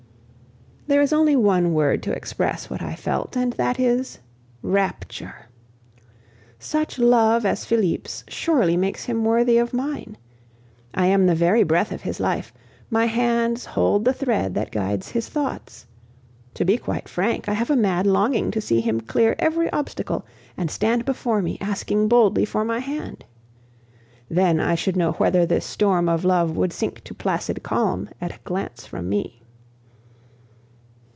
There is only one word to express what I felt, and that is: rapture. Such love as Felipe's surely makes him worthy of mine. I am the very breath of his life, my hands hold the thread that guides his thoughts. To be quite frank, I have a mad longing to see him clear every obstacle and stand before me, asking boldly for my hand. Then I should know whether this storm of love would sink to placid calm at a glance from me.